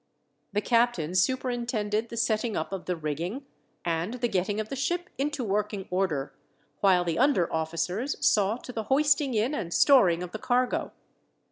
The captain superintended the setting up of the rigging, and the getting of the ship into working order; while the under officers saw to the hoisting in and storing of the cargo.